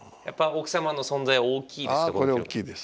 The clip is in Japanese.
やっぱり奥様の存在は大きいですか？